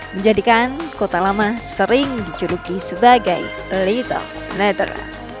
menjadikan kota lama sering dijuluki sebagai leattle nether